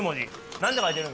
何て書いてる？